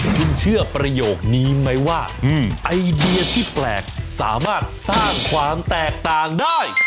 คุณเชื่อประโยคนี้ไหมว่าไอเดียที่แปลกสามารถสร้างความแตกต่างได้